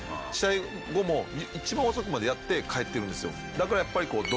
だからやっぱり。